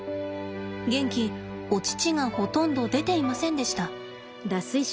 ゲンキお乳がほとんど出ていませんでした。